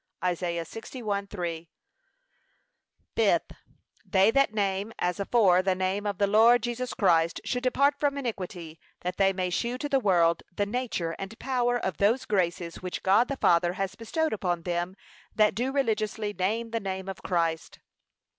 (Isa. 61:3) Fifth, They that name as afore the name of the Lord Jesus Christ, should depart from iniquity, that they may shew to the world the nature and power of those graces, which God the Father has bestowed upon them that do religiously name the name of Christ.